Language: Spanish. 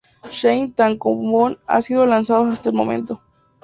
Seis tankōbon han sido lanzados hasta el momento.